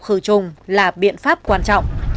khử trùng là biện pháp quan trọng